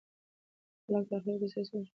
خلک د تخریب او دسیسو جوړولو په چارو کې ښکېل وي.